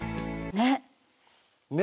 ねっ。